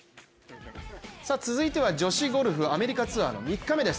続いては女子ゴルフアメリカツアーの３日目です。